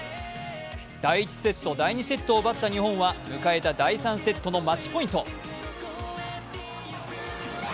第１セット、第２セットを奪った日本は迎えた第３セットのマッチポイント